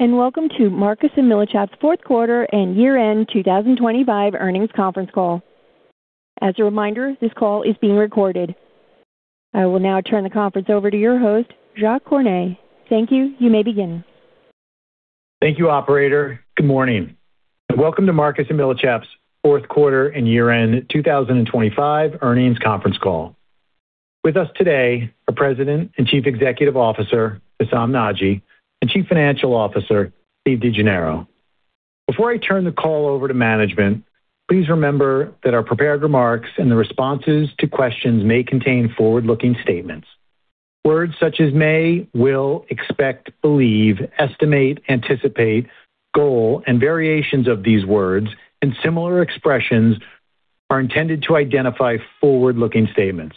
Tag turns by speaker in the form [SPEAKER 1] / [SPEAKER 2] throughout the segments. [SPEAKER 1] Welcome to Marcus & Millichap's fourth quarter and year-end 2025 earnings conference call. As a reminder, this call is being recorded. I will now turn the conference over to your host, Jacques Cornet. Thank you. You may begin.
[SPEAKER 2] Thank you, operator. Good morning, and welcome to Marcus & Millichap's fourth quarter and year-end 2025 earnings conference call. With us today are President and Chief Executive Officer, Hessam Nadji, and Chief Financial Officer, Steve DeGennaro. Before I turn the call over to management, please remember that our prepared remarks and the responses to questions may contain forward-looking statements. Words such as may, will, expect, believe, estimate, anticipate, goal, and variations of these words, and similar expressions are intended to identify forward-looking statements.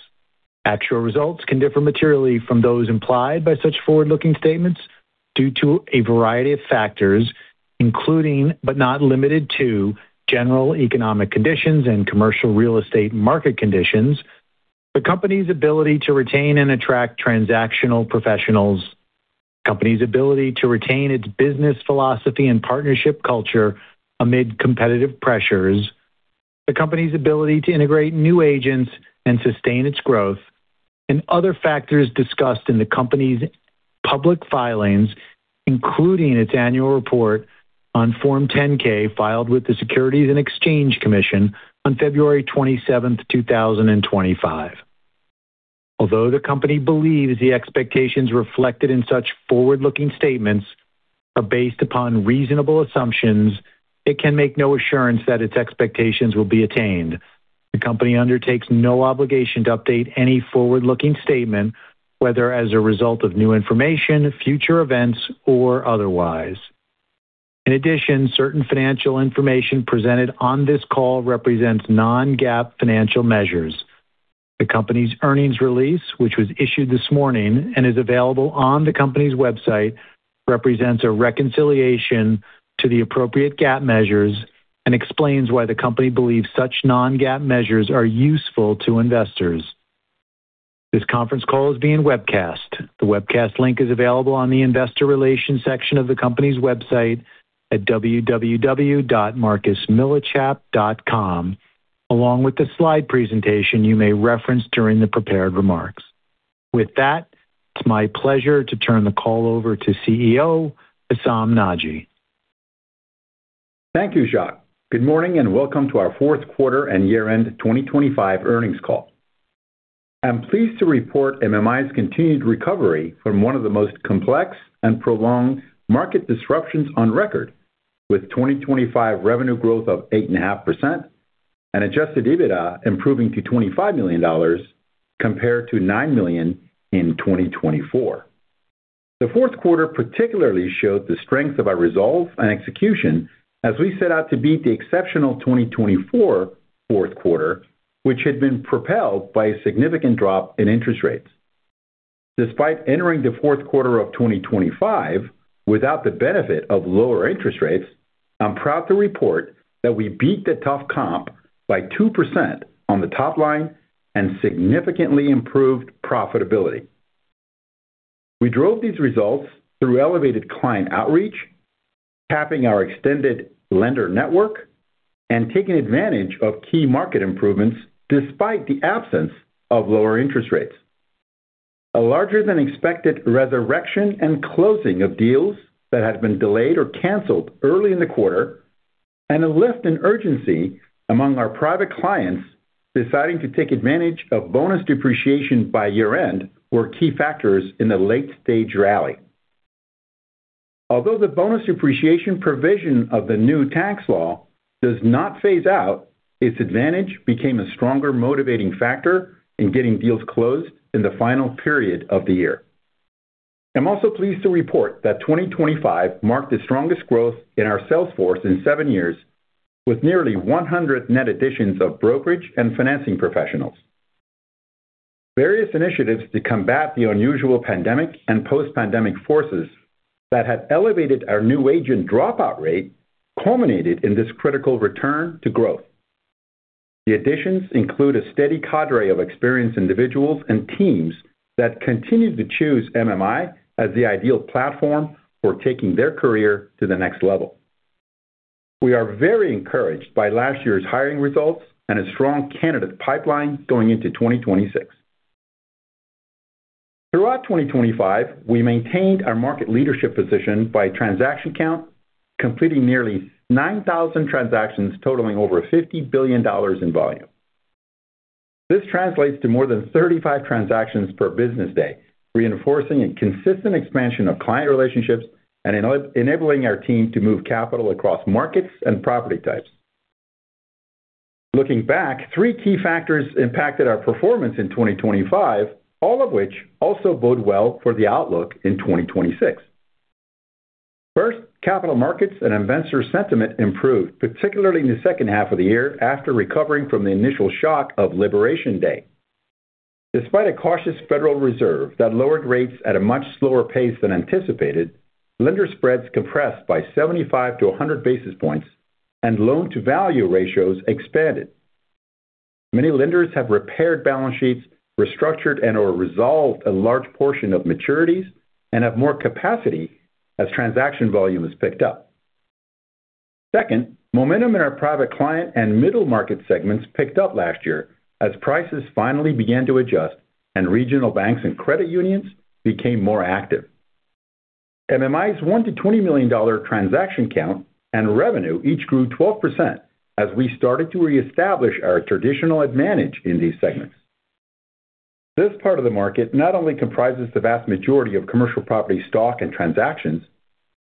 [SPEAKER 2] Actual results can differ materially from those implied by such forward-looking statements due to a variety of factors, including, but not limited to, general economic conditions and commercial real estate market conditions, the company's ability to retain and attract transactional professionals, the company's ability to retain its business philosophy and partnership culture amid competitive pressures, the company's ability to integrate new agents and sustain its growth, and other factors discussed in the company's public filings, including its annual report on Form 10-K, filed with the Securities and Exchange Commission on February 27, 2025. Although the company believes the expectations reflected in such forward-looking statements are based upon reasonable assumptions, it can make no assurance that its expectations will be attained. The company undertakes no obligation to update any forward-looking statement, whether as a result of new information, future events, or otherwise. In addition, certain financial information presented on this call represents non-GAAP financial measures. The company's earnings release, which was issued this morning and is available on the company's website, represents a reconciliation to the appropriate GAAP measures and explains why the company believes such non-GAAP measures are useful to investors. This conference call is being webcast. The webcast link is available on the Investor Relations section of the company's website at www.marcusmillichap.com, along with the slide presentation you may reference during the prepared remarks. With that, it's my pleasure to turn the call over to CEO Hessam Nadji.
[SPEAKER 3] Thank you, Jacques. Good morning, and welcome to our fourth quarter and year-end 2025 earnings call. I'm pleased to report MMI's continued recovery from one of the most complex and prolonged market disruptions on record, with 2025 revenue growth of 8.5% and Adjusted EBITDA improving to $25 million, compared to $9 million in 2024. The fourth quarter particularly showed the strength of our resolve and execution as we set out to beat the exceptional 2024 fourth quarter, which had been propelled by a significant drop in interest rates. Despite entering the fourth quarter of 2025 without the benefit of lower interest rates, I'm proud to report that we beat the tough comp by 2% on the top line and significantly improved profitability. We drove these results through elevated client outreach, tapping our extended lender network, and taking advantage of key market improvements despite the absence of lower interest rates. A larger-than-expected resurrection and closing of deals that had been delayed or canceled early in the quarter, and a lift in urgency among our private clients deciding to take advantage of bonus depreciation by year-end were key factors in the late-stage rally. Although the bonus depreciation provision of the new tax law does not phase out, its advantage became a stronger motivating factor in getting deals closed in the final period of the year. I'm also pleased to report that 2025 marked the strongest growth in our sales force in seven years, with nearly 100 net additions of brokerage and financing professionals. Various initiatives to combat the unusual pandemic and post-pandemic forces that had elevated our new agent dropout rate culminated in this critical return to growth. The additions include a steady cadre of experienced individuals and teams that continued to choose MMI as the ideal platform for taking their career to the next level. We are very encouraged by last year's hiring results and a strong candidate pipeline going into 2026. Throughout 2025, we maintained our market leadership position by transaction count, completing nearly 9,000 transactions totaling over $50 billion in volume. This translates to more than 35 transactions per business day, reinforcing a consistent expansion of client relationships and enabling our team to move capital across markets and property types. Looking back, three key factors impacted our performance in 2025, all of which also bode well for the outlook in 2026. First, capital markets and investor sentiment improved, particularly in the second half of the year, after recovering from the initial shock of Liberation Day. Despite a cautious Federal Reserve that lowered rates at a much slower pace than anticipated, lender spreads compressed by 75-100 basis points, and loan-to-value ratios expanded. Many lenders have repaired balance sheets, restructured and or resolved a large portion of maturities, and have more capacity as transaction volume has picked up. Second, momentum in our Private Client and Middle Market segments picked up last year as prices finally began to adjust and regional banks and credit unions became more active. MMI's $1 million-$20 million transaction count and revenue each grew 12% as we started to reestablish our traditional advantage in these segments. This part of the market not only comprises the vast majority of commercial property stock and transactions,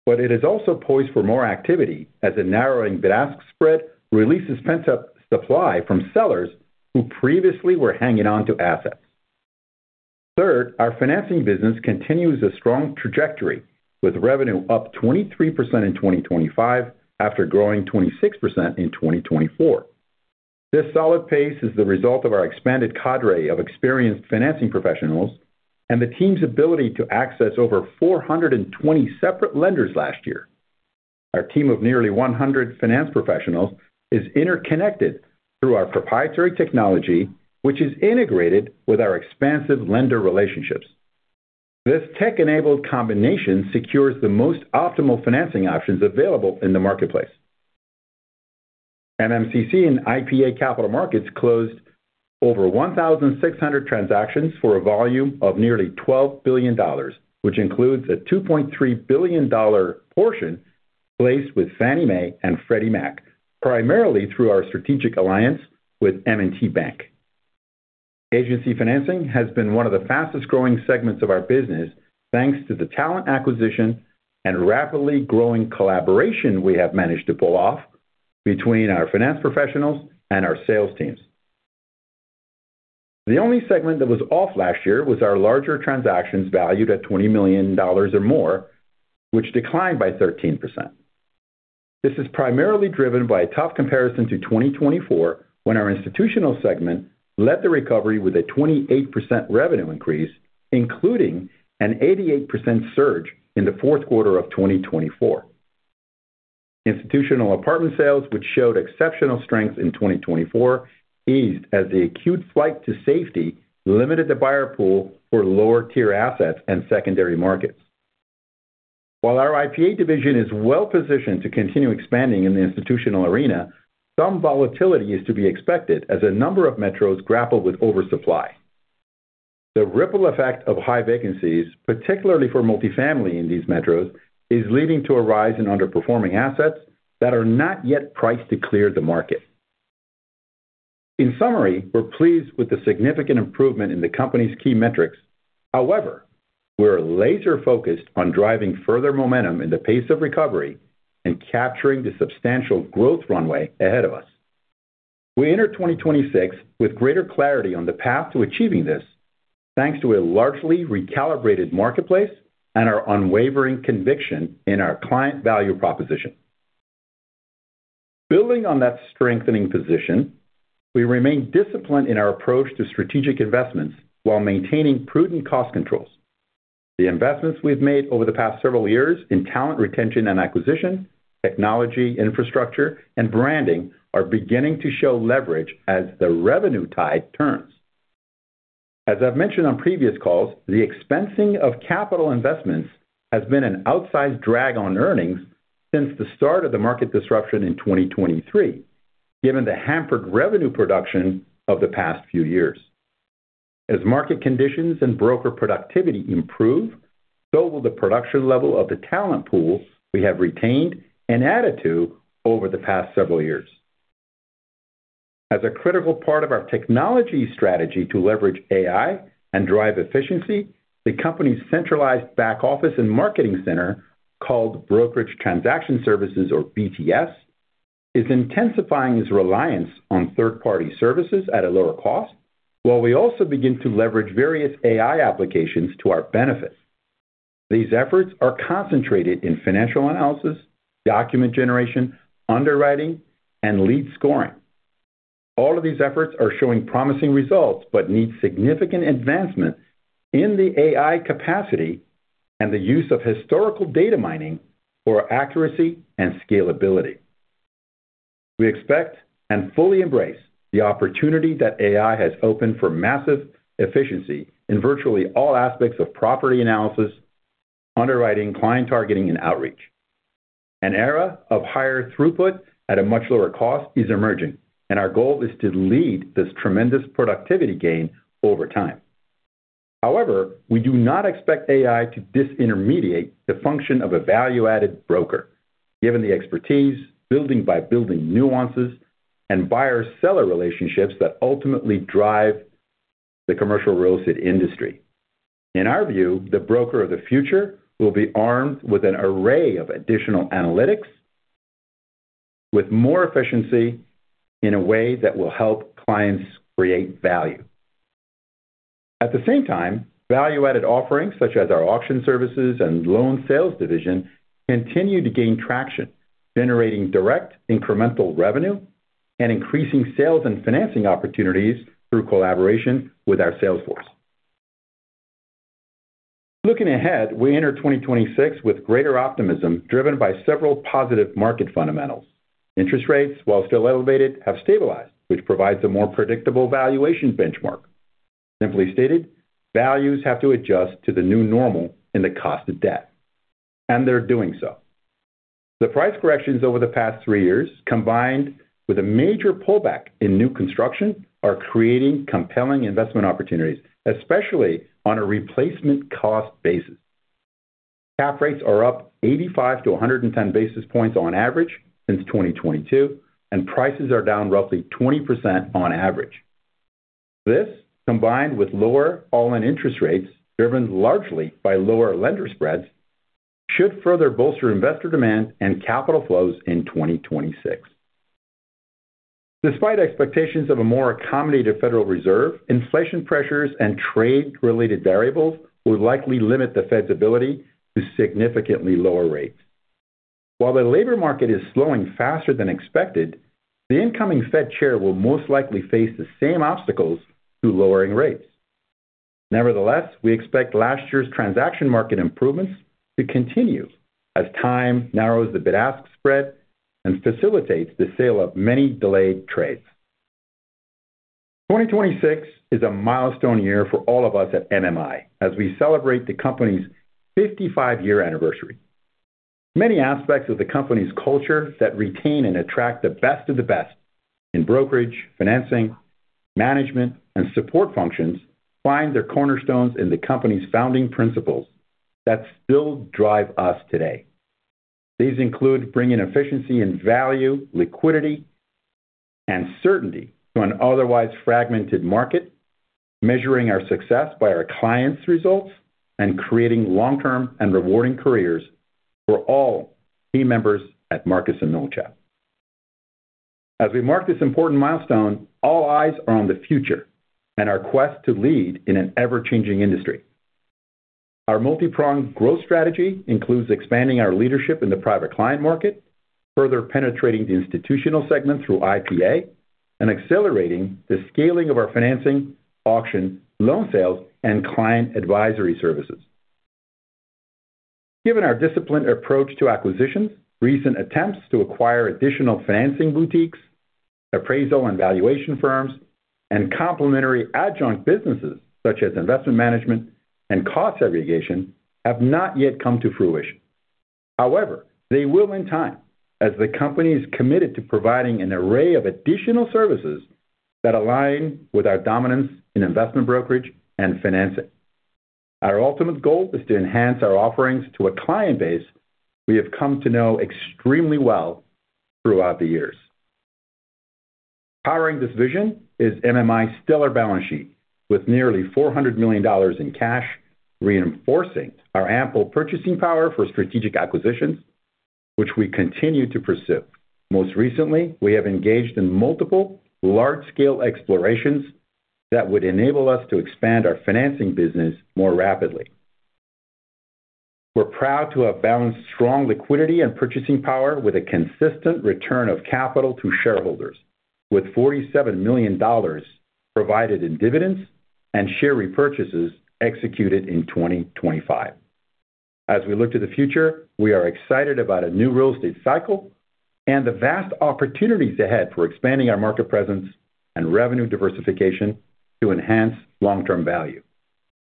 [SPEAKER 3] but it is also poised for more activity as a narrowing bid-ask spread releases pent-up supply from sellers who previously were hanging on to assets. Third, our financing business continues a strong trajectory, with revenue up 23% in 2025 after growing 26% in 2024. This solid pace is the result of our expanded cadre of experienced financing professionals and the team's ability to access over 420 separate lenders last year. Our team of nearly 100 finance professionals is interconnected through our proprietary technology, which is integrated with our expansive lender relationships. This tech-enabled combination secures the most optimal financing options available in the marketplace. MMCC and IPA Capital Markets closed over 1,600 transactions for a volume of nearly $12 billion, which includes a $2.3 billion portion placed with Fannie Mae and Freddie Mac, primarily through our strategic alliance with M&T Bank. Agency financing has been one of the fastest-growing segments of our business, thanks to the talent acquisition and rapidly growing collaboration we have managed to pull off between our finance professionals and our sales teams. The only segment that was off last year was our larger transactions, valued at $20 million or more, which declined by 13%. This is primarily driven by a tough comparison to 2024, when our institutional segment led the recovery with a 28% revenue increase, including an 88% surge in the fourth quarter of 2024. Institutional apartment sales, which showed exceptional strength in 2024, eased as the acute flight to safety limited the buyer pool for lower-tier assets and secondary markets. While our IPA division is well-positioned to continue expanding in the institutional arena, some volatility is to be expected as a number of metros grapple with oversupply. The ripple effect of high vacancies, particularly for multifamily in these metros, is leading to a rise in underperforming assets that are not yet priced to clear the market. In summary, we're pleased with the significant improvement in the company's key metrics. However, we are laser-focused on driving further momentum in the pace of recovery and capturing the substantial growth runway ahead of us. We enter 2026 with greater clarity on the path to achieving this, thanks to a largely recalibrated marketplace and our unwavering conviction in our client value proposition. Building on that strengthening position, we remain disciplined in our approach to strategic investments while maintaining prudent cost controls. The investments we've made over the past several years in talent retention and acquisition, technology, infrastructure, and branding are beginning to show leverage as the revenue tide turns. As I've mentioned on previous calls, the expensing of capital investments has been an outsized drag on earnings since the start of the market disruption in 2023, given the hampered revenue production of the past few years. As market conditions and broker productivity improve, so will the production level of the talent pool we have retained and added to over the past several years. As a critical part of our technology strategy to leverage AI and drive efficiency, the company's centralized back-office and marketing center, called Brokerage Transaction Services or BTS, is intensifying its reliance on third-party services at a lower cost, while we also begin to leverage various AI applications to our benefit. These efforts are concentrated in financial analysis, document generation, underwriting, and lead scoring. All of these efforts are showing promising results, but need significant advancement in the AI capacity and the use of historical data mining for accuracy and scalability. We expect and fully embrace the opportunity that AI has opened for massive efficiency in virtually all aspects of property analysis, underwriting, client targeting, and outreach. An era of higher throughput at a much lower cost is emerging, and our goal is to lead this tremendous productivity gain over time. However, we do not expect AI to disintermediate the function of a value-added broker, given the expertise, building-by-building nuances, and buyer-seller relationships that ultimately drive the commercial real estate industry. In our view, the broker of the future will be armed with an array of additional analytics, with more efficiency in a way that will help clients create value. At the same time, value-added offerings such as our auction services and loan sales division continue to gain traction, generating direct incremental revenue and increasing sales and financing opportunities through collaboration with our sales force.... Looking ahead, we enter 2026 with greater optimism, driven by several positive market fundamentals. Interest rates, while still elevated, have stabilized, which provides a more predictable valuation benchmark. Simply stated, values have to adjust to the new normal in the cost of debt, and they're doing so. The price corrections over the past three years, combined with a major pullback in new construction, are creating compelling investment opportunities, especially on a replacement cost basis. Cap rates are up 85-110 basis points on average since 2022, and prices are down roughly 20% on average. This, combined with lower all-in interest rates, driven largely by lower lender spreads, should further bolster investor demand and capital flows in 2026. Despite expectations of a more accommodative Federal Reserve, inflation pressures and trade-related variables will likely limit the Fed's ability to significantly lower rates. While the labor market is slowing faster than expected, the incoming Fed chair will most likely face the same obstacles to lowering rates. Nevertheless, we expect last year's transaction market improvements to continue as time narrows the bid-ask spread and facilitates the sale of many delayed trades. 2026 is a milestone year for all of us at MMI as we celebrate the company's 55-year anniversary. Many aspects of the company's culture that retain and attract the best of the best in brokerage, financing, management, and support functions, find their cornerstones in the company's founding principles that still drive us today. These include bringing efficiency and value, liquidity, and certainty to an otherwise fragmented market, measuring our success by our clients' results, and creating long-term and rewarding careers for all team members at Marcus & Millichap. As we mark this important milestone, all eyes are on the future and our quest to lead in an ever-changing industry. Our multi-pronged growth strategy includes expanding our leadership in the private client market, further penetrating the institutional segment through IPA, and accelerating the scaling of our financing, auction, loan sales, and client advisory services. Given our disciplined approach to acquisitions, recent attempts to acquire additional financing boutiques, appraisal and valuation firms, and complementary adjunct businesses such as investment management and cost segregation, have not yet come to fruition. However, they will in time, as the company is committed to providing an array of additional services that align with our dominance in investment brokerage and financing. Our ultimate goal is to enhance our offerings to a client base we have come to know extremely well throughout the years. Powering this vision is MMI's stellar balance sheet, with nearly $400 million in cash, reinforcing our ample purchasing power for strategic acquisitions, which we continue to pursue. Most recently, we have engaged in multiple large-scale explorations that would enable us to expand our financing business more rapidly. We're proud to have balanced strong liquidity and purchasing power with a consistent return of capital to shareholders, with $47 million provided in dividends and share repurchases executed in 2025. As we look to the future, we are excited about a new real estate cycle and the vast opportunities ahead for expanding our market presence and revenue diversification to enhance long-term value.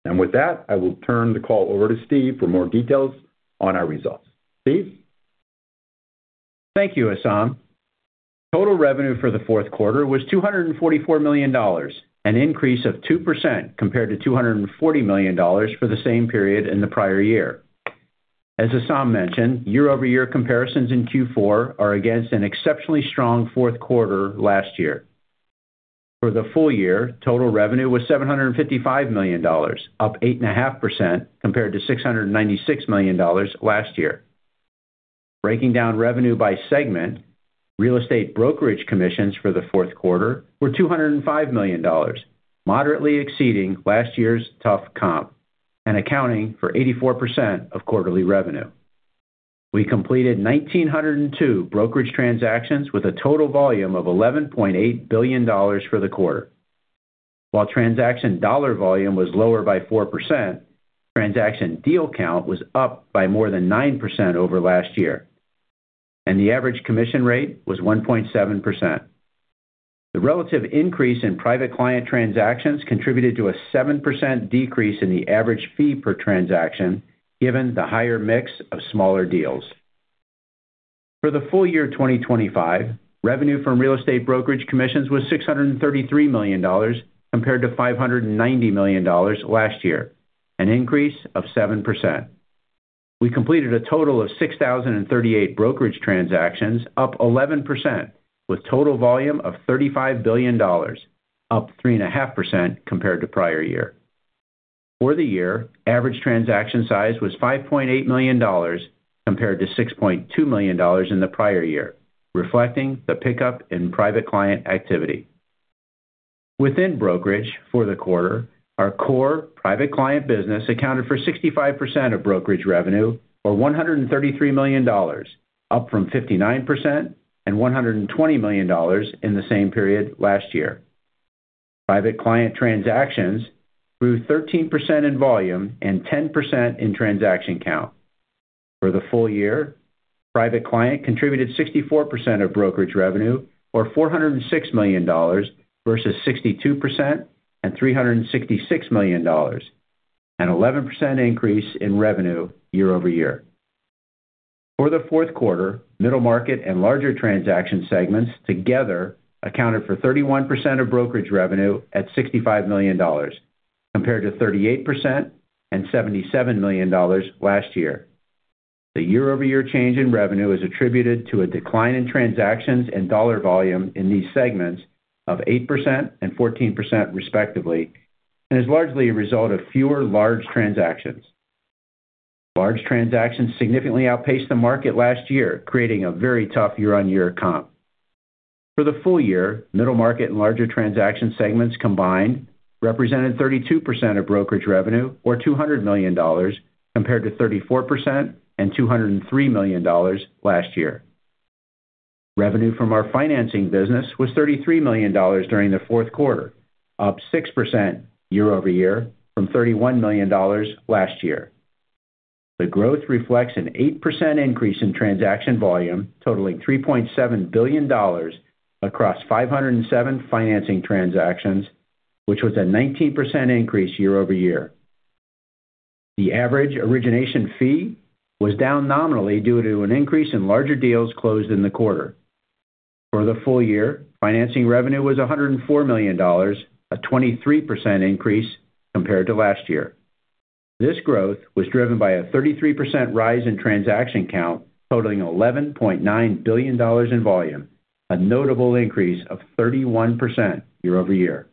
[SPEAKER 3] With that, I will turn the call over to Steve for more details on our results. Steve?
[SPEAKER 4] Thank you, Hessam. Total revenue for the fourth quarter was $244 million, an increase of 2% compared to $240 million for the same period in the prior year. As Hessam mentioned, year-over-year comparisons in Q4 are against an exceptionally strong fourth quarter last year. For the full year, total revenue was $755 million, up 8.5% compared to $696 million last year. Breaking down revenue by segment, real estate brokerage commissions for the fourth quarter were $205 million, moderately exceeding last year's tough comp and accounting for 84% of quarterly revenue. We completed 1,902 brokerage transactions with a total volume of $11.8 billion for the quarter. While transaction dollar volume was lower by 4%, transaction deal count was up by more than 9% over last year, and the average commission rate was 1.7%. The relative increase in private client transactions contributed to a 7% decrease in the average fee per transaction, given the higher mix of smaller deals. For the full year 2025, revenue from real estate brokerage commissions was $633 million, compared to $590 million last year, an increase of 7%. We completed a total of 6,038 brokerage transactions, up 11%, with total volume of $35 billion, up 3.5% compared to prior year. For the year, average transaction size was $5.8 million, compared to $6.2 million in the prior year, reflecting the pickup in Private Client activity. Within brokerage for the quarter, our core Private Client business accounted for 65% of brokerage revenue, or $133 million, up from 59% and $120 million in the same period last year.... Private Client transactions grew 13% in volume and 10% in transaction count. For the full year, Private Client contributed 64% of brokerage revenue, or $406 million, versus 62% and $366 million, an 11% increase in revenue year-over-year. For the fourth quarter, middle market and larger transaction segments together accounted for 31% of brokerage revenue at $65 million, compared to 38% and $77 million last year. The year-over-year change in revenue is attributed to a decline in transactions and dollar volume in these segments of 8% and 14% respectively, and is largely a result of fewer large transactions. Large transactions significantly outpaced the market last year, creating a very tough year-over-year comp. For the full year, middle market and larger transaction segments combined represented 32% of brokerage revenue, or $200 million, compared to 34% and $203 million last year. Revenue from our financing business was $33 million during the fourth quarter, up 6% year over year from $31 million last year. The growth reflects an 8% increase in transaction volume, totaling $3.7 billion across 507 financing transactions, which was a 19% increase year-over-year. The average origination fee was down nominally due to an increase in larger deals closed in the quarter. For the full year, financing revenue was $104 million, a 23% increase compared to last year. This growth was driven by a 33% rise in transaction count, totaling $11.9 billion in volume, a notable increase of 31% year-over-year.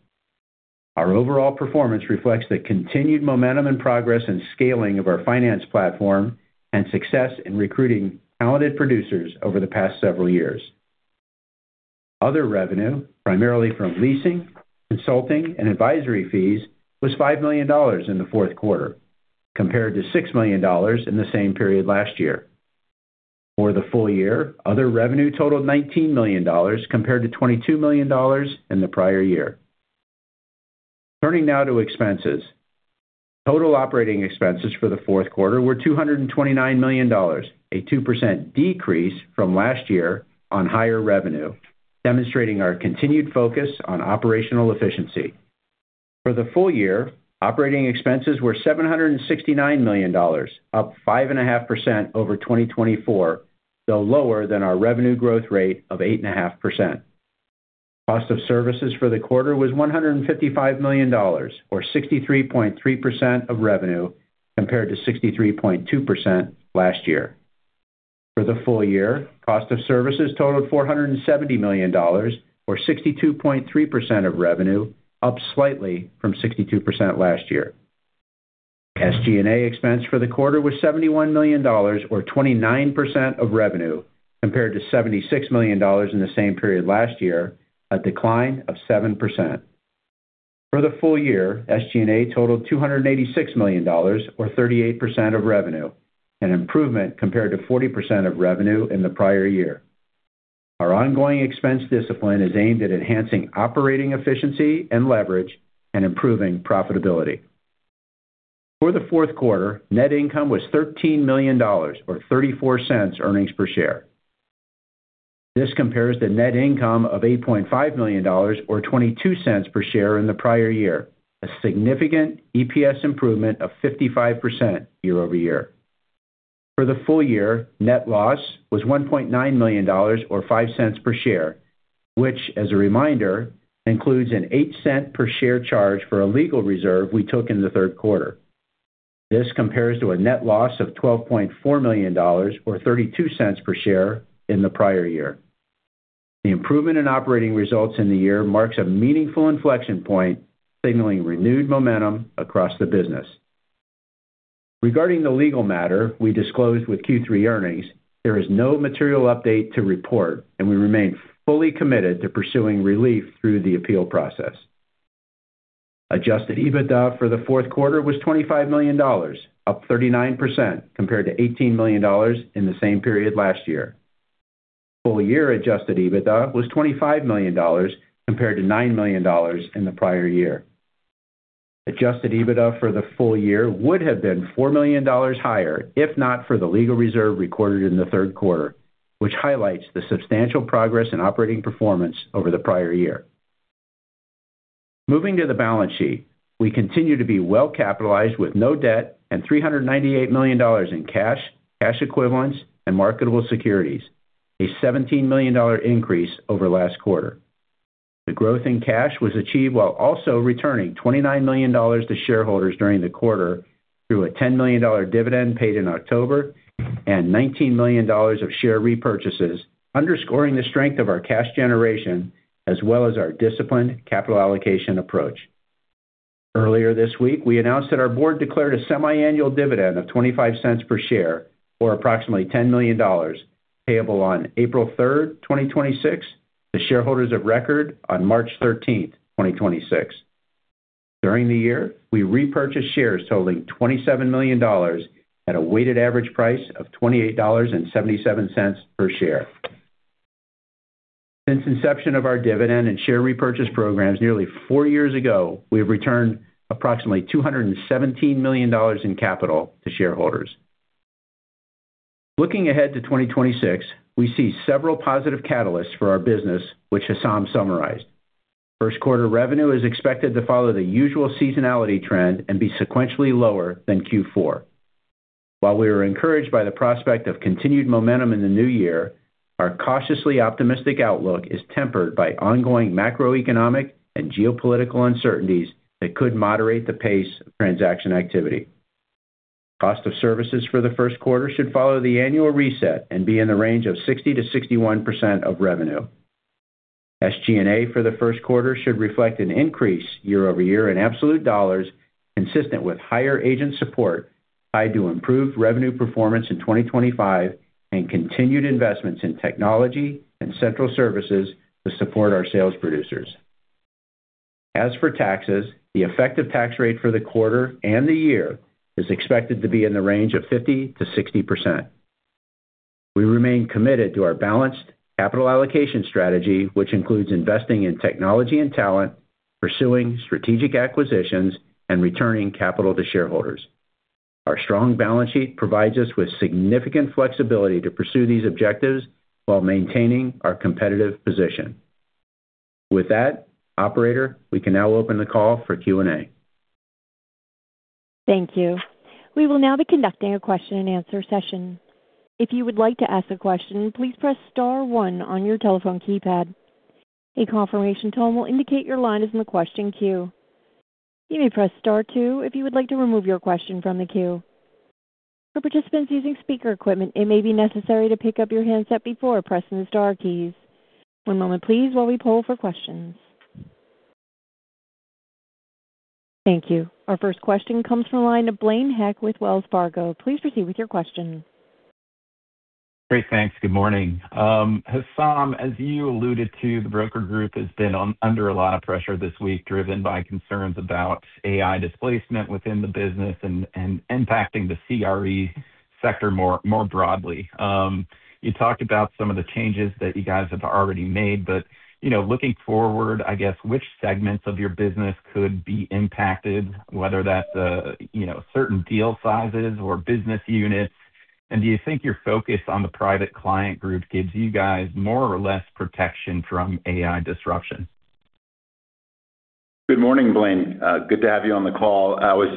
[SPEAKER 4] Our overall performance reflects the continued momentum and progress in scaling of our finance platform and success in recruiting talented producers over the past several years. Other revenue, primarily from leasing, consulting, and advisory fees, was $5 million in the fourth quarter, compared to $6 million in the same period last year. For the full year, other revenue totaled $19 million, compared to $22 million in the prior year. Turning now to expenses. Total operating expenses for the fourth quarter were $229 million, a 2% decrease from last year on higher revenue, demonstrating our continued focus on operational efficiency. For the full year, operating expenses were $769 million, up 5.5% over 2024, though lower than our revenue growth rate of 8.5%. Cost of services for the quarter was $155 million, or 63.3% of revenue, compared to 63.2% last year. For the full year, cost of services totaled $470 million, or 62.3% of revenue, up slightly from 62% last year. SG&A expense for the quarter was $71 million, or 29% of revenue, compared to $76 million in the same period last year, a decline of 7%. For the full year, SG&A totaled $286 million, or 38% of revenue, an improvement compared to 40% of revenue in the prior year. Our ongoing expense discipline is aimed at enhancing operating efficiency and leverage and improving profitability. For the fourth quarter, net income was $13 million, or $0.34 earnings per share. This compares to net income of $8.5 million or $0.22 per share in the prior year, a significant EPS improvement of 55% year-over-year. For the full year, net loss was $1.9 million, or five cents per share, which, as a reminder, includes an 8 cents per share charge for a legal reserve we took in the third quarter. This compares to a net loss of $12.4 million, or 32 cents per share, in the prior year. The improvement in operating results in the year marks a meaningful inflection point, signaling renewed momentum across the business. Regarding the legal matter we disclosed with Q3 earnings, there is no material update to report, and we remain fully committed to pursuing relief through the appeal process. Adjusted EBITDA for the fourth quarter was $25 million, up 39% compared to $18 million in the same period last year. Full-year adjusted EBITDA was $25 million, compared to $9 million in the prior year. Adjusted EBITDA for the full year would have been $4 million higher, if not for the legal reserve recorded in the third quarter, which highlights the substantial progress in operating performance over the prior year. Moving to the balance sheet. We continue to be well capitalized with no debt and $398 million in cash, cash equivalents, and marketable securities, a $17 million increase over last quarter. The growth in cash was achieved while also returning $29 million to shareholders during the quarter through a $10 million dividend paid in October and $19 million of share repurchases, underscoring the strength of our cash generation as well as our disciplined capital allocation approach. Earlier this week, we announced that our board declared a semiannual dividend of $0.25 per share, or approximately $10 million, payable on April 3, 2026, to shareholders of record on March 13th, 2026. During the year, we repurchased shares totaling $27 million at a weighted average price of $28.77 per share. Since inception of our dividend and share repurchase programs nearly four years ago, we have returned approximately $217 million in capital to shareholders. Looking ahead to 2026, we see several positive catalysts for our business, which Hessam summarized. First quarter revenue is expected to follow the usual seasonality trend and be sequentially lower than Q4. While we are encouraged by the prospect of continued momentum in the new year, our cautiously optimistic outlook is tempered by ongoing macroeconomic and geopolitical uncertainties that could moderate the pace of transaction activity. Cost of services for the first quarter should follow the annual reset and be in the range of 60%-61% of revenue. SG&A for the first quarter should reflect an increase year-over-year in absolute dollars, consistent with higher agent support tied to improved revenue performance in 2025 and continued investments in technology and central services to support our sales producers. As for taxes, the effective tax rate for the quarter and the year is expected to be in the range of 50%-60%. We remain committed to our balanced capital allocation strategy, which includes investing in technology and talent, pursuing strategic acquisitions, and returning capital to shareholders. Our strong balance sheet provides us with significant flexibility to pursue these objectives while maintaining our competitive position. With that, operator, we can now open the call for Q&A.
[SPEAKER 1] Thank you. We will now be conducting a question-and-answer session. If you would like to ask a question, please press star one on your telephone keypad. A confirmation tone will indicate your line is in the question queue. You may press star two if you would like to remove your question from the queue. For participants using speaker equipment, it may be necessary to pick up your handset before pressing the star keys. One moment please while we poll for questions. Thank you. Our first question comes from the line of Blaine Heck with Wells Fargo. Please proceed with your question.
[SPEAKER 5] Great, thanks. Good morning. Hessam, as you alluded to, the broker group has been under a lot of pressure this week, driven by concerns about AI displacement within the business and impacting the CRE sector more broadly. You talked about some of the changes that you guys have already made, but you know, looking forward, I guess, which segments of your business could be impacted, whether that's you know, certain deal sizes or business units? And do you think your focus on the Private Client group gives you guys more or less protection from AI disruption?
[SPEAKER 3] Good morning, Blaine. Good to have you on the call. I was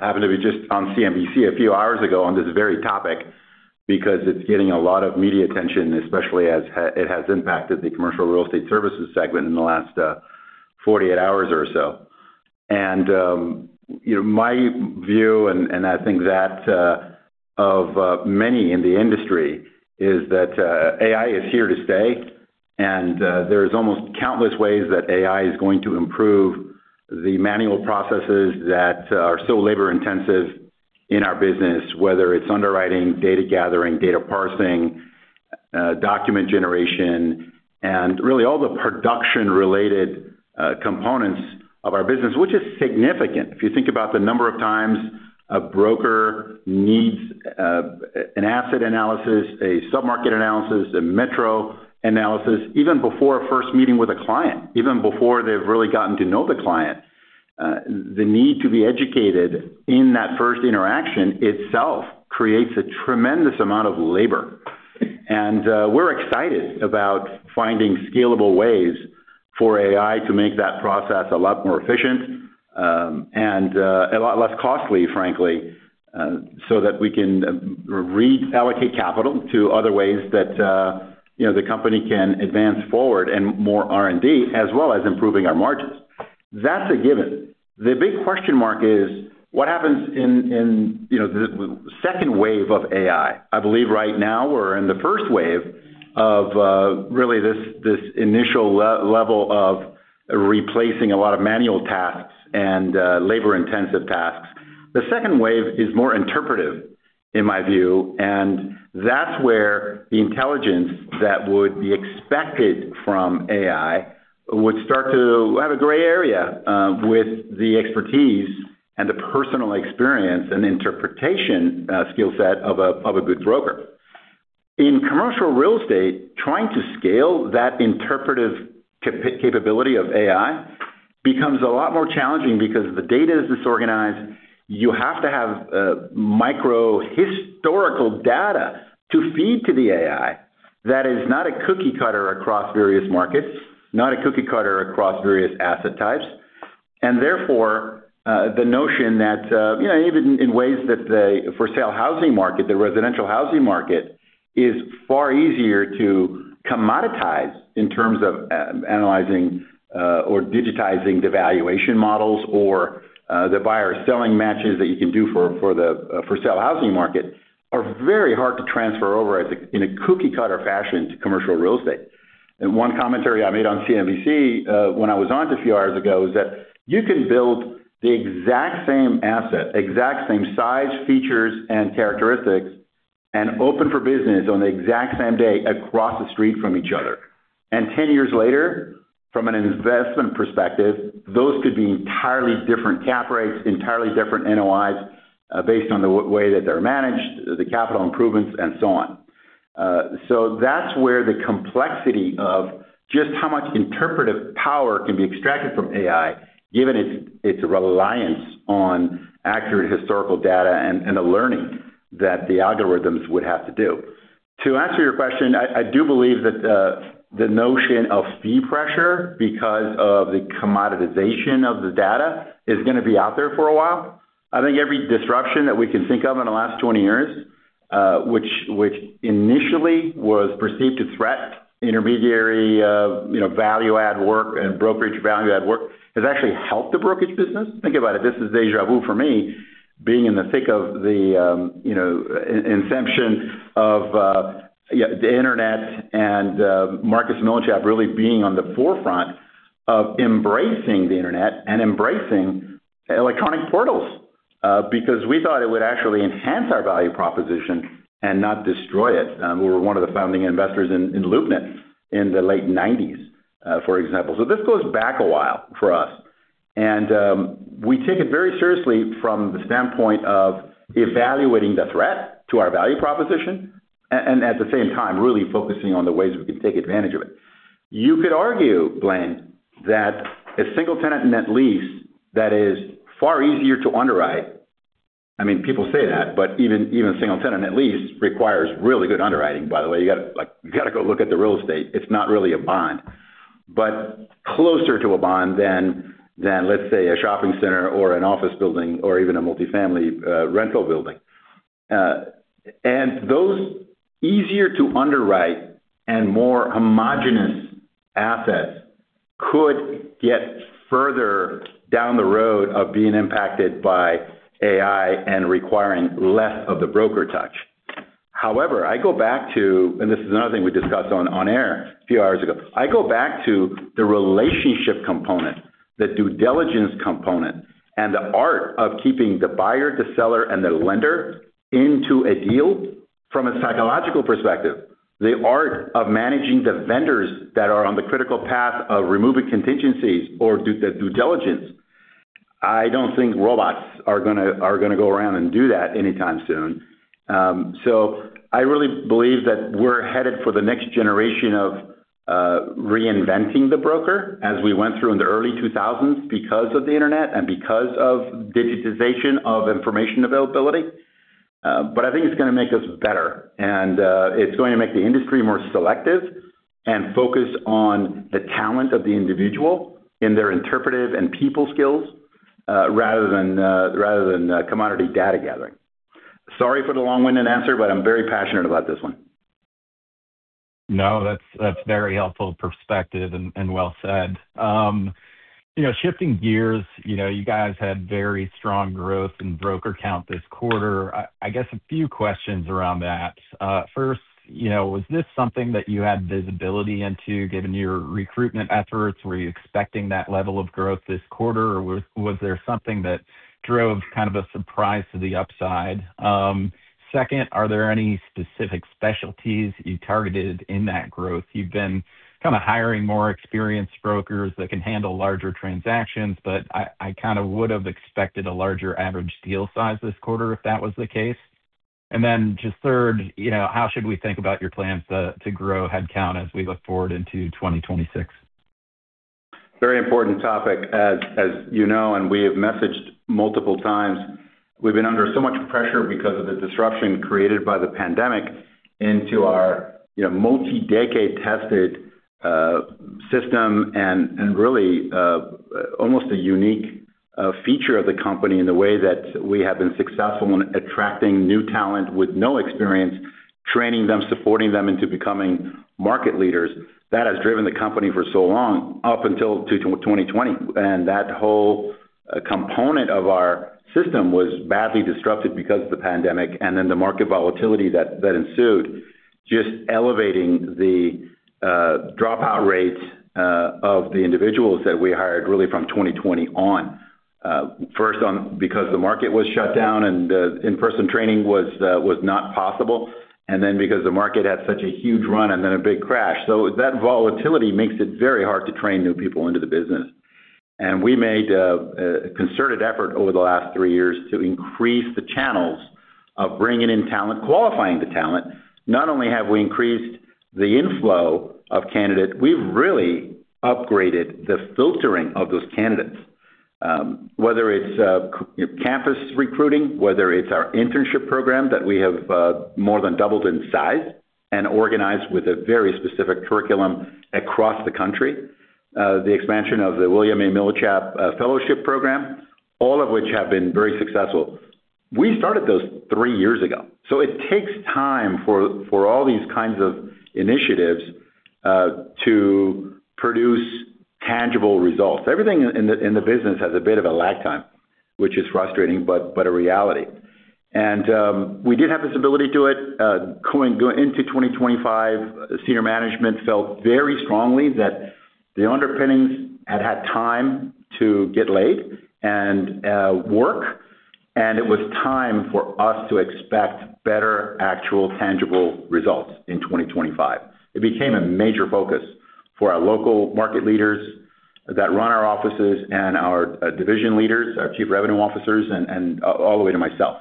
[SPEAKER 3] happened to be just on CNBC a few hours ago on this very topic because it's getting a lot of media attention, especially as it has impacted the commercial real estate services segment in the last 48 hours or so. And you know, my view, and I think that of many in the industry, is that AI is here to stay. And there's almost countless ways that AI is going to improve the manual processes that are still labor-intensive in our business, whether it's underwriting, data gathering, data parsing, document generation, and really all the production-related components of our business, which is significant. If you think about the number of times a broker needs an asset analysis, a sub-market analysis, a metro analysis, even before a first meeting with a client, even before they've really gotten to know the client, the need to be educated in that first interaction itself creates a tremendous amount of labor. And, we're excited about finding scalable ways for AI to make that process a lot more efficient, and a lot less costly, frankly, so that we can reallocate capital to other ways that, you know, the company can advance forward and more R&D, as well as improving our margins. That's a given. The big question mark is: what happens in, you know, the second wave of AI? I believe right now we're in the first wave of really this initial level of replacing a lot of manual tasks and labor-intensive tasks. The second wave is more interpretive, in my view, and that's where the intelligence that would be expected from AI would start to have a gray area with the expertise and the personal experience and interpretation skill set of a good broker. In commercial real estate, trying to scale that interpretive capability of AI becomes a lot more challenging because the data is disorganized. You have to have micro historical data to feed to the AI. That is not a cookie cutter across various markets, not a cookie cutter across various asset types. And therefore, the notion that, you know, even in ways that the for-sale housing market, the residential housing market, is far easier to commoditize in terms of analyzing, or digitizing the valuation models or, the buyer-selling matches that you can do for the for-sale housing market, are very hard to transfer over as in a cookie-cutter fashion to commercial real estate. And one commentary I made on CNBC, when I was on a few hours ago, is that you can build the exact same asset, exact same size, features, and characteristics and open for business on the exact same day across the street from each other. And ten years later, from an investment perspective, those could be entirely different cap rates, entirely different NOIs, based on the way that they're managed, the capital improvements, and so on. So that's where the complexity of just how much interpretive power can be extracted from AI, given its reliance on accurate historical data and the learning that the algorithms would have to do. To answer your question, I do believe that the notion of fee pressure because of the commoditization of the data is gonna be out there for a while. I think every disruption that we can think of in the last 20 years, which initially was perceived to threaten intermediary, you know, value-add work and brokerage value-add work, has actually helped the brokerage business. Think about it, this is déjà vu for me, being in the thick of the inception of the internet and Marcus & Millichap really being on the forefront of embracing the internet and embracing electronic portals. Because we thought it would actually enhance our value proposition and not destroy it. We were one of the founding investors in LoopNet in the late 1990s, for example. So this goes back a while for us, and we take it very seriously from the standpoint of evaluating the threat to our value proposition, and at the same time, really focusing on the ways we can take advantage of it. You could argue, Blaine, that a single-tenant net lease that is far easier to underwrite. I mean, people say that, but even a single-tenant net lease requires really good underwriting, by the way. You gotta, like, go look at the real estate. It's not really a bond, but closer to a bond than, let's say, a shopping center or an office building or even a multifamily rental building. And those easier to underwrite and more homogeneous assets could get further down the road of being impacted by AI and requiring less of the broker touch. However, I go back to, and this is another thing we discussed on air a few hours ago. I go back to the relationship component, the due diligence component, and the art of keeping the buyer, the seller, and the lender into a deal from a psychological perspective. The art of managing the vendors that are on the critical path of removing contingencies or due diligence. I don't think robots are gonna go around and do that anytime soon. So I really believe that we're headed for the next generation of reinventing the broker, as we went through in the early 2000s because of the internet and because of digitization of information availability. But I think it's gonna make us better, and it's going to make the industry more selective and focused on the talent of the individual in their interpretive and people skills, rather than commodity data gathering. Sorry for the long-winded answer, but I'm very passionate about this one.
[SPEAKER 5] No, that's very helpful perspective and well said. You know, shifting gears, you know, you guys had very strong growth in broker count this quarter. I guess a few questions around that. First, you know, was this something that you had visibility into, given your recruitment efforts? Were you expecting that level of growth this quarter, or was there something that drove kind of a surprise to the upside? Second, are there any specific specialties you targeted in that growth? You've been kind of hiring more experienced brokers that can handle larger transactions, but I kind of would've expected a larger average deal size this quarter, if that was the case. And then just third, you know, how should we think about your plans to grow headcount as we look forward into 2026?
[SPEAKER 3] Very important topic. As you know, and we have messaged multiple times, we've been under so much pressure because of the disruption created by the pandemic into our, you know, multi-decade tested system, and really almost a unique feature of the company in the way that we have been successful in attracting new talent with no experience, training them, supporting them into becoming market leaders. That has driven the company for so long, up until 2020, and that whole component of our system was badly disrupted because of the pandemic, and then the market volatility that ensued, just elevating the dropout rates of the individuals that we hired, really, from 2020 on. First, because the market was shut down and the in-person training was not possible, and then because the market had such a huge run and then a big crash. So that volatility makes it very hard to train new people into the business. We made a concerted effort over the last three years to increase the channels of bringing in talent, qualifying the talent. Not only have we increased the inflow of candidates, we've really upgraded the filtering of those candidates. Whether it's campus recruiting, whether it's our internship program that we have more than doubled in size and organized with a very specific curriculum across the country, the expansion of the William A. Millichap Fellowship Program, all of which have been very successful. We started those three years ago, so it takes time for all these kinds of initiatives to produce tangible results. Everything in the business has a bit of a lag time, which is frustrating, but a reality. We did have this ability to it. Going into 2025, senior management felt very strongly that the underpinnings had had time to get laid and work, and it was time for us to expect better actual, tangible results in 2025. It became a major focus for our local market leaders that run our offices and our division leaders, our Chief Revenue Officers, and all the way to myself.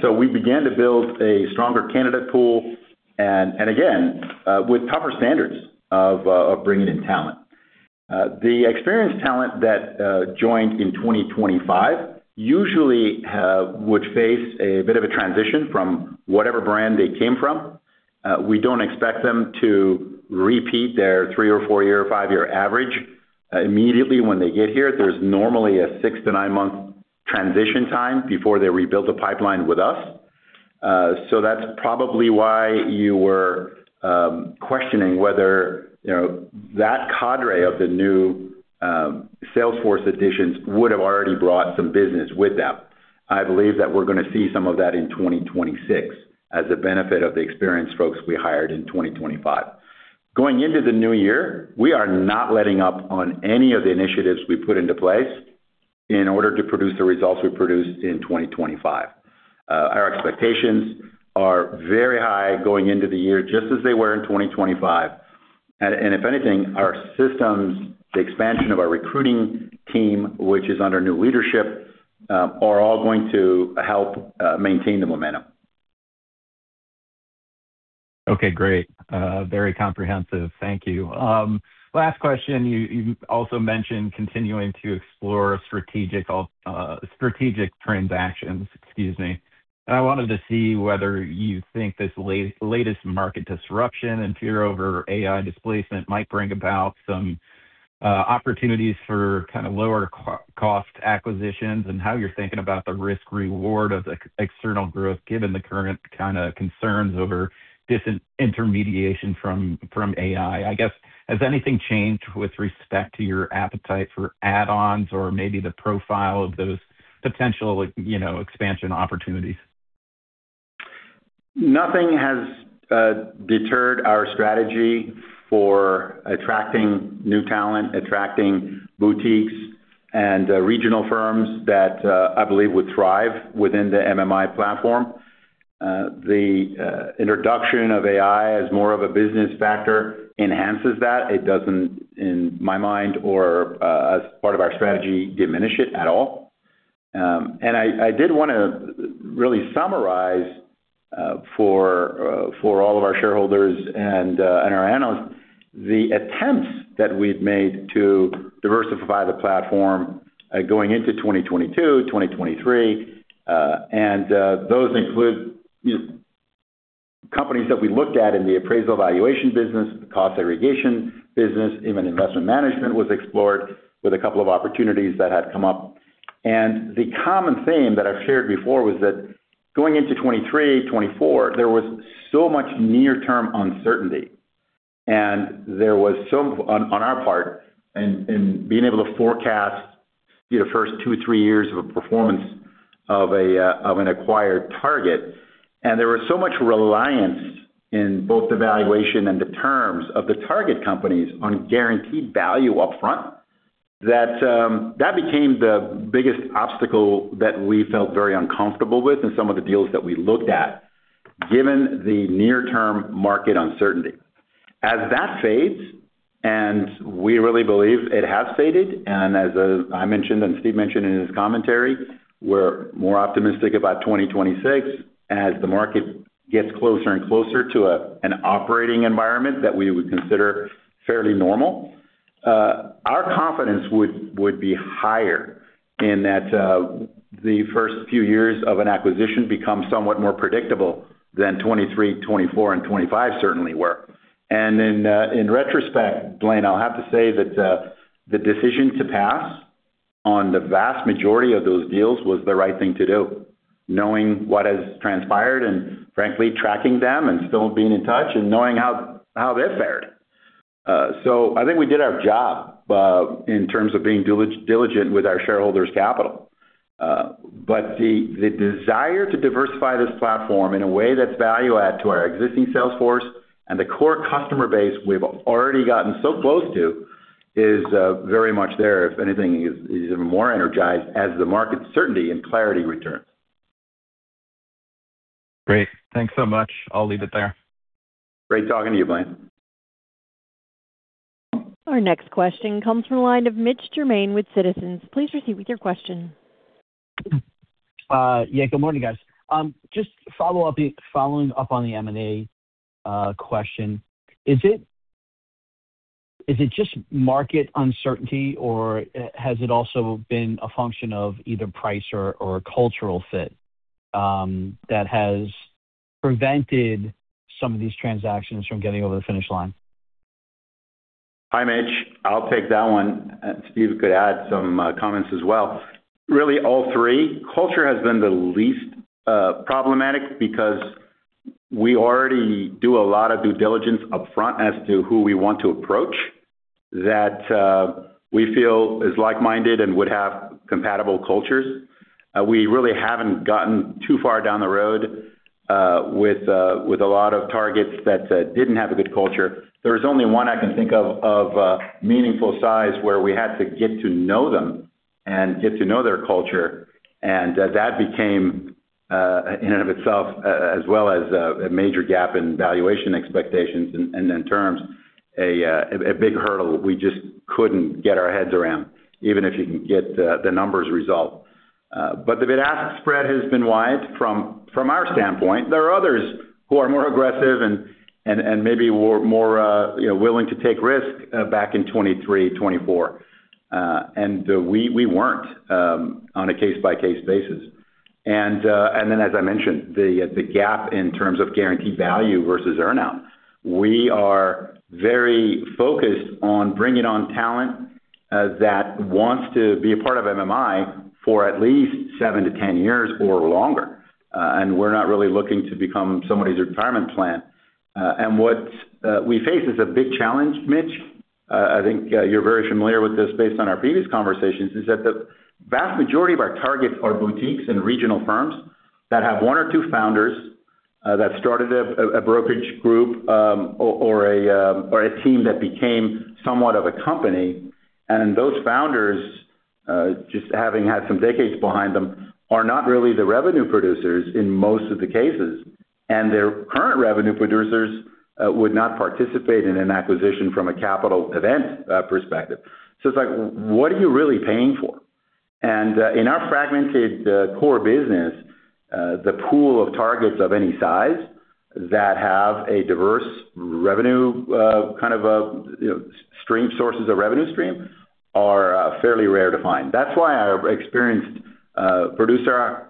[SPEAKER 3] So we began to build a stronger candidate pool and again with tougher standards of bringing in talent. The experienced talent that joined in 2025 usually would face a bit of a transition from whatever brand they came from. We don't expect them to repeat their three- or four-year, or five-year average immediately when they get here. There's normally a six- to nine-month transition time before they rebuild the pipeline with us. So that's probably why you were questioning whether, you know, that cadre of the new salesforce additions would have already brought some business with them. I believe that we're gonna see some of that in 2026, as a benefit of the experienced folks we hired in 2025. Going into the new year, we are not letting up on any of the initiatives we put into place in order to produce the results we produced in 2025. Our expectations are very high going into the year, just as they were in 2025. And if anything, our systems, the expansion of our recruiting team, which is under new leadership, are all going to help maintain the momentum.
[SPEAKER 5] Okay, great. Very comprehensive. Thank you. Last question. You also mentioned continuing to explore strategic transactions, excuse me. I wanted to see whether you think this latest market disruption and fear over AI displacement might bring about some opportunities for kind of lower cost acquisitions, and how you're thinking about the risk-reward of external growth, given the current kind of concerns over disintermediation from AI. I guess, has anything changed with respect to your appetite for add-ons or maybe the profile of those potential, you know, expansion opportunities?
[SPEAKER 3] Nothing has deterred our strategy for attracting new talent, attracting boutiques and regional firms that I believe would thrive within the MMI platform. The introduction of AI as more of a business factor enhances that. It doesn't, in my mind, or as part of our strategy, diminish it at all. And I did want to really summarize for all of our shareholders and our analysts, the attempts that we've made to diversify the platform, going into 2022, 2023. And those include, you know, companies that we looked at in the appraisal valuation business, the cost aggregation business, even investment management was explored with a couple of opportunities that had come up. The common theme that I've shared before was that going into 2023, 2024, there was so much near-term uncertainty, and there was so on our part, in being able to forecast, you know, the first two, three years of a performance of an acquired target. There was so much reliance in both the valuation and the terms of the target companies on guaranteed value up front, that that became the biggest obstacle that we felt very uncomfortable with in some of the deals that we looked at, given the near-term market uncertainty. As that fades, and we really believe it has faded, and as I mentioned, and Steve mentioned in his commentary, we're more optimistic about 2026. As the market gets closer and closer to an operating environment that we would consider fairly normal, our confidence would be higher in that the first few years of an acquisition become somewhat more predictable than 2023, 2024, and 2025 certainly were. And then, in retrospect, Blaine, I'll have to say that the decision to pass on the vast majority of those deals was the right thing to do, knowing what has transpired and frankly, tracking them and still being in touch and knowing how they've fared. So I think we did our job in terms of being diligent with our shareholders' capital. But the desire to diversify this platform in a way that's value add to our existing sales force and the core customer base we've already gotten so close to is very much there. If anything, is even more energized as the market certainty and clarity returns.
[SPEAKER 5] Great. Thanks so much. I'll leave it there.
[SPEAKER 3] Great talking to you, Blaine.
[SPEAKER 1] Our next question comes from the line of Mitch Germain with Citizens. Please proceed with your question.
[SPEAKER 6] Yeah, good morning, guys. Just follow up, following up on the M&A question. Is it just market uncertainty, or has it also been a function of either price or cultural fit that has prevented some of these transactions from getting over the finish line?
[SPEAKER 3] Hi, Mitch. I'll take that one, and Steve could add some comments as well. Really, all three. Culture has been the least problematic because we already do a lot of due diligence upfront as to who we want to approach. That we feel is like-minded and would have compatible cultures. We really haven't gotten too far down the road with a lot of targets that didn't have a good culture. There is only one I can think of of meaningful size, where we had to get to know them and get to know their culture, and that became in and of itself as well as a major gap in valuation expectations and in terms a big hurdle we just couldn't get our heads around, even if you can get the numbers resolved. But the bid-ask spread has been wide from our standpoint. There are others who are more aggressive and maybe more, you know, willing to take risk back in 2023, 2024, and we weren't on a case-by-case basis. And then, as I mentioned, the gap in terms of guaranteed value versus earn-out. We are very focused on bringing on talent that wants to be a part of MMI for at least 7-10 years or longer, and we're not really looking to become somebody's retirement plan. And what we face is a big challenge, Mitch. I think you're very familiar with this based on our previous conversations: the vast majority of our targets are boutiques and regional firms that have one or two founders that started a brokerage group or a team that became somewhat of a company. And those founders, just having had some decades behind them, are not really the revenue producers in most of the cases, and their current revenue producers would not participate in an acquisition from a capital event perspective. So it's like, what are you really paying for? And, in our fragmented, core business, the pool of targets of any size that have a diverse revenue, kind of a, you know, stream sources of revenue stream, are, fairly rare to find. That's why our experienced, producer,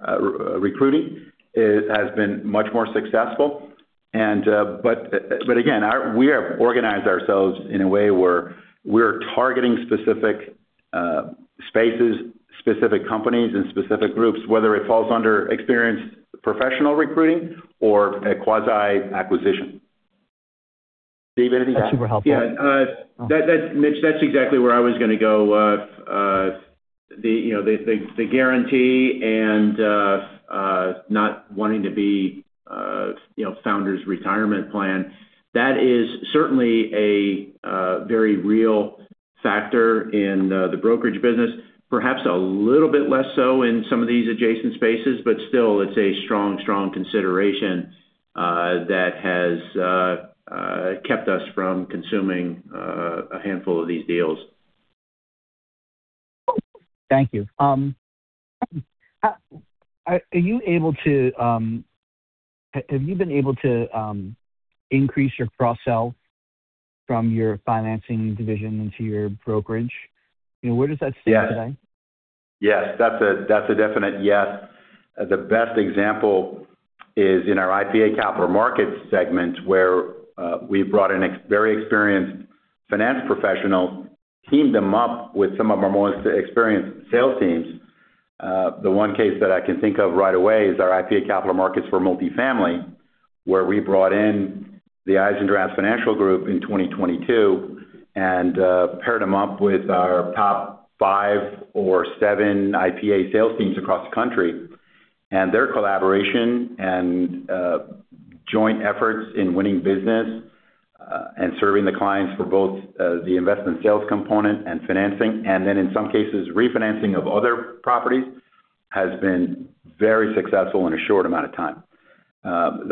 [SPEAKER 3] recruiting, has been much more successful. And, but again, we have organized ourselves in a way where we're targeting specific, spaces, specific companies and specific groups, whether it falls under experienced professional recruiting or a quasi-acquisition. Steve, anything to add?
[SPEAKER 6] That's super helpful.
[SPEAKER 4] Yeah, that, Mitch, that's exactly where I was gonna go. You know, the guarantee and not wanting to be, you know, founder's retirement plan. That is certainly a very real factor in the brokerage business. Perhaps a little bit less so in some of these adjacent spaces, but still, it's a strong, strong consideration that has kept us from consuming a handful of these deals.
[SPEAKER 6] Thank you. Have you been able to increase your cross-sell from your financing division into your brokerage? You know, where does that stand today?
[SPEAKER 4] Yes. That's a, that's a definite yes. The best example is in our IPA capital markets segment, where we brought in very experienced finance professionals, teamed them up with some of our most experienced sales teams. The one case that I can think of right away is our IPA capital markets for multifamily, where we brought in the Eisendrath Financial Group in 2022, and paired them up with our top five or seven IPA sales teams across the country. And their collaboration and joint efforts in winning business and serving the clients for both the investment sales component and financing, and then in some cases, refinancing of other properties, has been very successful in a short amount of time.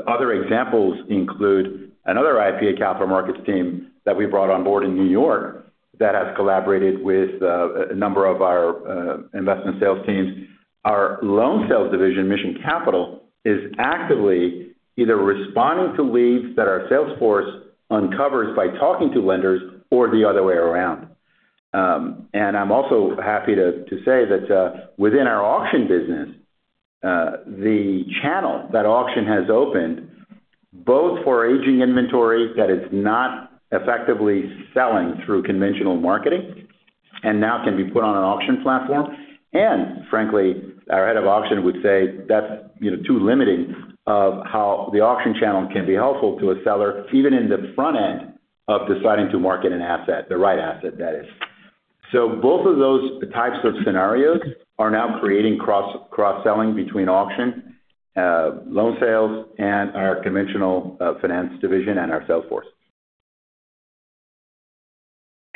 [SPEAKER 4] Other examples include another IPA capital markets team that we brought on board in New York, that has collaborated with a number of our investment sales teams. Our loan sales division, Mission Capital, is actively either responding to leads that our sales force uncovers by talking to lenders or the other way around. And I'm also happy to say that within our auction business, the channel that auction has opened, both for aging inventory that is not effectively selling through conventional marketing and now can be put on an auction platform. Frankly, our head of auction would say that's, you know, too limiting of how the auction channel can be helpful to a seller, even in the front end of deciding to market an asset, the right asset, that is. Both of those types of scenarios are now creating cross-selling between auction loan sales, and our conventional finance division and our sales force.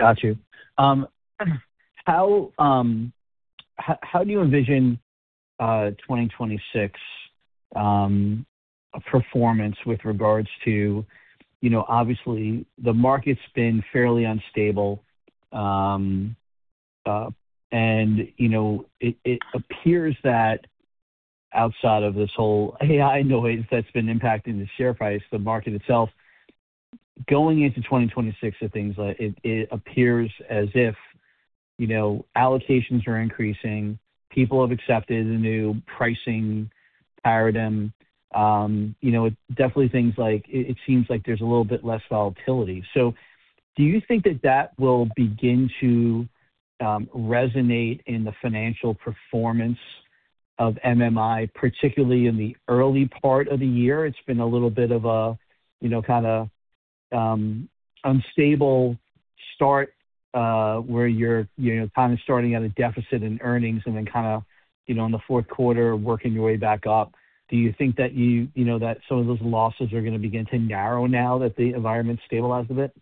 [SPEAKER 6] Got you. How do you envision 2026 performance with regards to... You know, obviously, the market's been fairly unstable, and, you know, it appears that outside of this whole AI noise that's been impacting the share price, the market itself, going into 2026 of things, like, it appears as if, you know, allocations are increasing, people have accepted the new pricing paradigm. You know, it definitely things like-- it seems like there's a little bit less volatility. So do you think that that will begin to resonate in the financial performance of MMI, particularly in the early part of the year? It's been a little bit of a, you know, kinda, unstable start, where you're, you know, kind of starting at a deficit in earnings and then kinda, you know, in the fourth quarter, working your way back up. Do you think that you, you know, that some of those losses are gonna begin to narrow now that the environment stabilized a bit?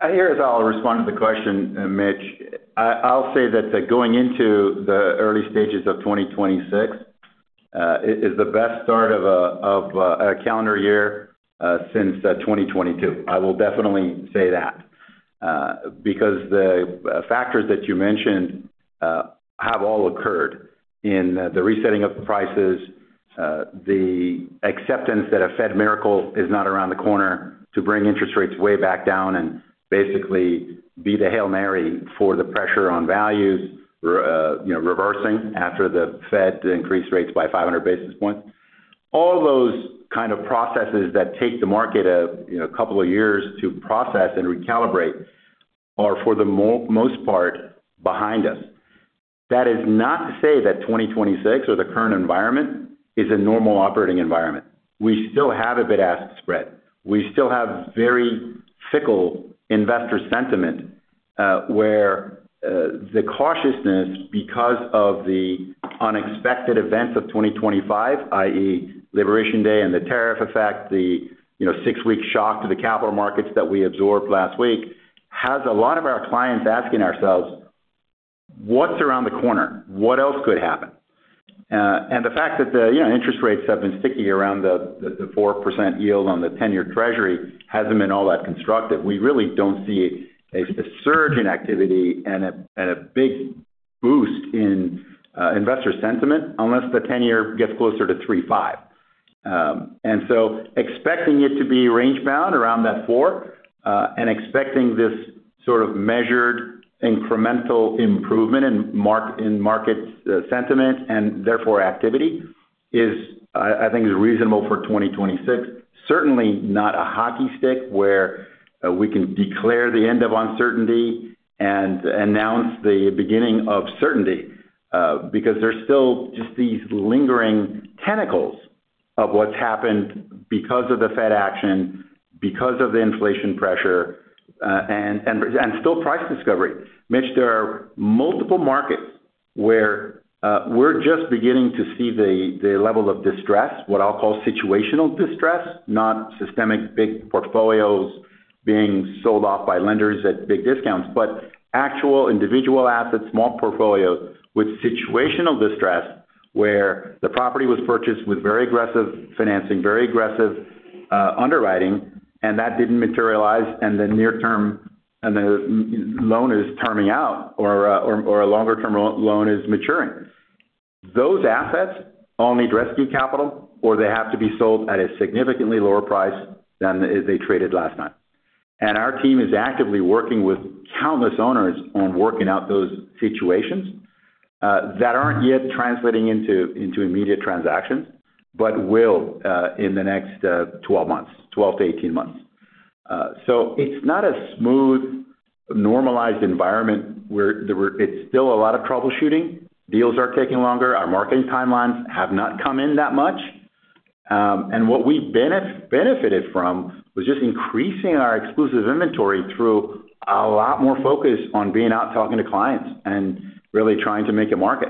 [SPEAKER 3] I guess I'll respond to the question, Mitch. I'll say that going into the early stages of 2026, it is the best start of a calendar year since 2022. I will definitely say that. Because the factors that you mentioned have all occurred in the resetting of the prices, the acceptance that a Fed miracle is not around the corner to bring interest rates way back down and basically be the Hail Mary for the pressure on values, you know, reversing after the Fed increased rates by 500 basis points. All those kind of processes that take the market a couple of years to process and recalibrate are, for the most part, behind us. That is not to say that 2026 or the current environment is a normal operating environment. We still have a bid-ask spread. We still have very fickle investor sentiment, where the cautiousness, because of the unexpected events of 2025, i.e., Liberation Day and the tariff effect, the, you know, six-week shock to the capital markets that we absorbed last week, has a lot of our clients asking ourselves: What's around the corner? What else could happen? And the fact that the, you know, interest rates have been sticky around the, the 4% yield on the ten-year treasury hasn't been all that constructive. We really don't see a surge in activity and a big boost in investor sentiment, unless the ten-year gets closer to 3.5. And so expecting it to be range-bound around that four, and expecting this sort of measured, incremental improvement in market sentiment, and therefore, activity is, I, I think, reasonable for 2026. Certainly not a hockey stick, where we can declare the end of uncertainty and announce the beginning of certainty. Because there's still just these lingering tentacles of what's happened because of the Fed action, because of the inflation pressure, and still price discovery. Mitch, there are multiple markets where we're just beginning to see the level of distress, what I'll call situational distress, not systemic, big portfolios being sold off by lenders at big discounts. But actual individual assets, small portfolios with situational distress, where the property was purchased with very aggressive financing, very aggressive underwriting, and that didn't materialize, and the near term, and the loan is terming out or a longer-term loan is maturing. Those assets all need rescue capital, or they have to be sold at a significantly lower price than they traded last time. And our team is actively working with countless owners on working out those situations that aren't yet translating into immediate transactions, but will in the next 12 months, 12-18 months. So it's not a smooth, normalized environment where there were. It's still a lot of troubleshooting. Deals are taking longer. Our marketing timelines have not come in that much. And what we've benefited from was just increasing our exclusive inventory through a lot more focus on being out, talking to clients and really trying to make a market.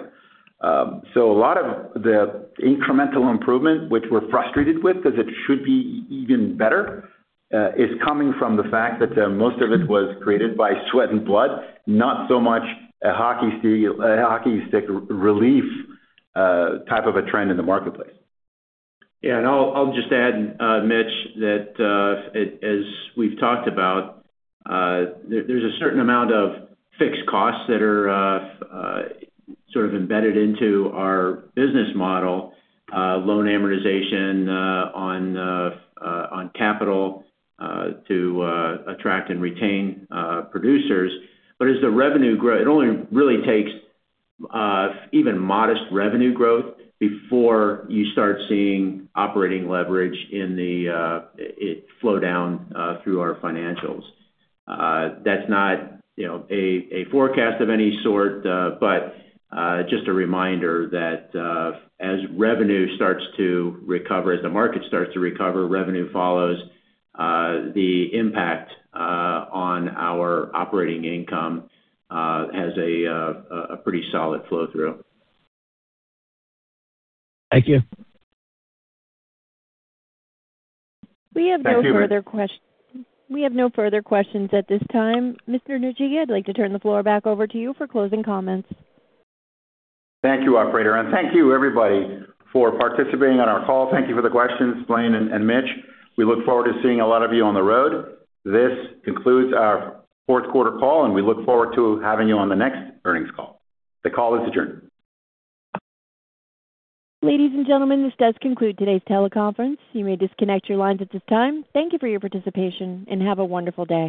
[SPEAKER 3] So a lot of the incremental improvement, which we're frustrated with, 'cause it should be even better, is coming from the fact that, most of it was created by sweat and blood, not so much a hockey stick relief, type of a trend in the marketplace.
[SPEAKER 4] Yeah, and I'll just add, Mitch, that, as we've talked about, there's a certain amount of fixed costs that are sort of embedded into our business model, loan amortization on capital to attract and retain producers. But as the revenue grow, it only really takes even modest revenue growth before you start seeing operating leverage in the... it flow down through our financials. That's not, you know, a forecast of any sort, but just a reminder that, as revenue starts to recover, as the market starts to recover, revenue follows, the impact on our operating income has a pretty solid flow-through.
[SPEAKER 6] Thank you.
[SPEAKER 3] Thank you.
[SPEAKER 1] We have no further questions at this time. Mr. Nadji, I'd like to turn the floor back over to you for closing comments.
[SPEAKER 3] Thank you, operator, and thank you, everybody, for participating on our call. Thank you for the questions, Blaine and Mitch. We look forward to seeing a lot of you on the road. This concludes our fourth quarter call, and we look forward to having you on the next earnings call. The call is adjourned.
[SPEAKER 1] Ladies and gentlemen, this does conclude today's teleconference. You may disconnect your lines at this time. Thank you for your participation, and have a wonderful day.